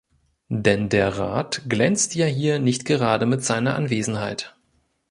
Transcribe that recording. Denn der Rat glänzt ja hier nicht gerade mit seiner Anwesenheit.